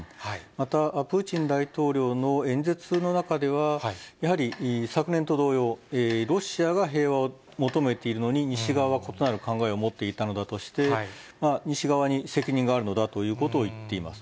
また、プーチン大統領の演説の中では、やはり昨年と同様、ロシアが平和を求めているのに、西側は異なる考えを持っていたのだとして、西側に責任があるのだということを言っています。